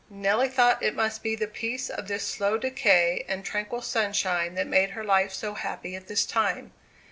Nelly thought it must be the peace of this slow decay and tranquil sunshine that made her life so happy at this time.